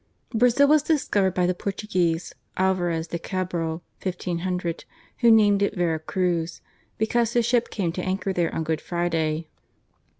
Brazil was discovered by the Portuguese, Alvares de Cabral (1500), who named it Vera Cruz because his ship came to anchor there on Good Friday.